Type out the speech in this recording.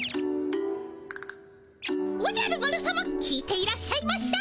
おじゃる丸さま聞いていらっしゃいましたか？